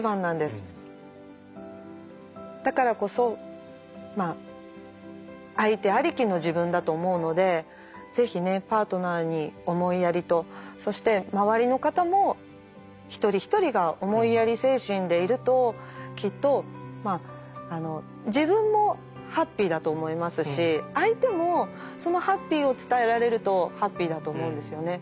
だからこそまあ相手ありきの自分だと思うのでぜひねパートナーに思いやりとそして周りの方も一人一人が思いやり精神でいるときっとまあ自分もハッピーだと思いますし相手もそのハッピーを伝えられるとハッピーだと思うんですよね。